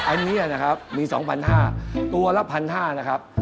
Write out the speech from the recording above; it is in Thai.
อันนี้นะครับมี๒๕๐๐ตัวละ๑๕๐๐นะครับ